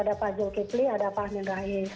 ada pak jules kipli ada pak amin rais